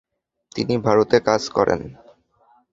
তিনি ভারতে কাজ করেন।